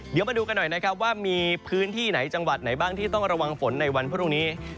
เดี๋ยวมาดูกันหน่อยนะครับว่ามีพื้นที่ไหนจังหวัดไหนบ้างที่ต้องระวังฝนในวันพรุ่งนี้